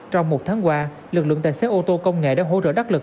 trong một tháng qua lực lượng tài xế ô tô công nghệ đã hỗ trợ đắc lực